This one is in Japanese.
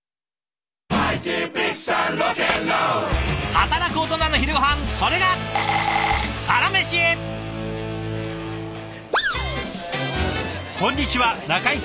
働くオトナの昼ごはんそれがこんにちは中井貴一です。